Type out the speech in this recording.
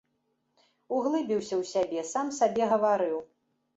Углыбіўся ў сябе, сам сабе гаварыў.